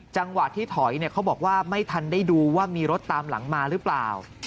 จังหวะที่ถอยเขาบอกว่าไม่ทันได้ดูว่ามีรถตามหลังมาหรือเปล่า